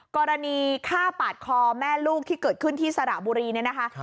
กรณีฆ่าปาดคอแม่ลูกที่เกิดขึ้นที่สระบุรีเนี่ยนะคะ